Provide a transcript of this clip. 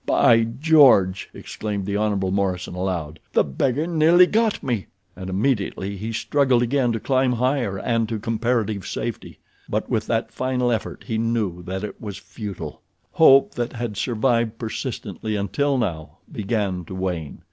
"By George!" exclaimed the Hon. Morison, aloud. "The beggar nearly got me," and immediately he struggled again to climb higher and to comparative safety; but with that final effort he knew that it was futile. Hope that had survived persistently until now began to wane.